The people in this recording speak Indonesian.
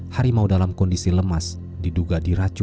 harimau dalam kondisi lemas diduga diracun